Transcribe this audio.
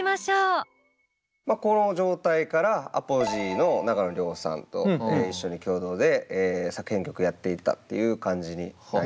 この状態からＡＰＯＧＥＥの永野亮さんと一緒に共同で作編曲やっていったっていう感じになります。